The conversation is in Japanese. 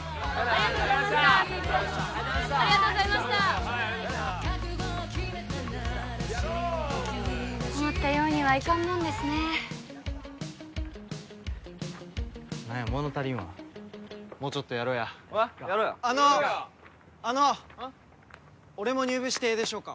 ありがとうございましたありがとうございましたじゃあな思ったようにはいかんもんですね何や物足りんわもうちょっとやろやあのあの俺も入部してええでしょうか？